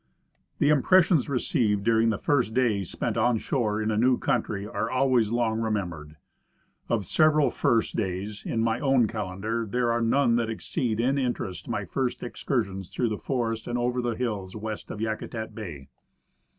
The impressions received during the first day spent on shore in a new country are always long remembered. Of several " first days " in my own calendar, there are none that exceed in interest my first excursions through the forest and over the hills west of Yakutat bay.